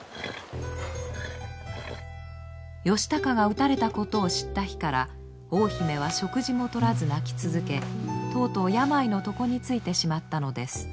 義高が討たれたことを知った日から大姫は食事もとらず泣き続けとうとう病の床についてしまったのです。